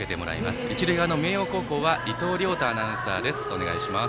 一塁側の明桜高校は伊藤亮太アナウンサーです。